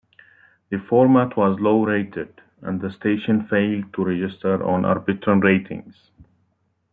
The format was low-rated, and the station failed to register on Arbitron ratings.